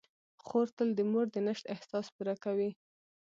خور تل د مور د نشت احساس پوره کوي.